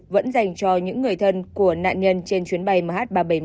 vẫn dành cho những người thân của nạn nhân trên chuyến bay mh ba trăm bảy mươi một